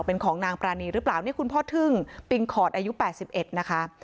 เป็นของนางปรานีหรือเปล่านี่คุณพ่อทึ่งปิงคอร์ดอายุ๘๑นะคะ